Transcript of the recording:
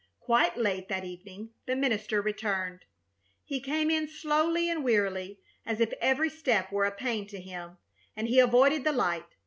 Quite late that evening the minister returned. He came in slowly and wearily, as if every step were a pain to him, and he avoided the light.